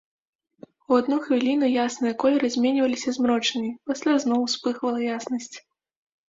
У адну хвіліну ясныя колеры зменьваліся змрочнымі, пасля зноў успыхвала яснасць.